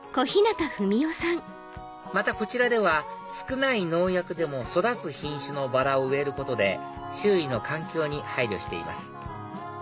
またこちらでは少ない農薬でも育つ品種のバラを植えることで周囲の環境に配慮しています